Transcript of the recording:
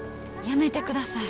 やめてください。